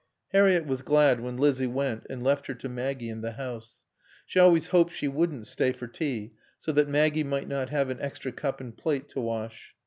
Harriett was glad when Lizzie went and left her to Maggie and the house. She always hoped she wouldn't stay for tea, so that Maggie might not have an extra cup and plate to wash.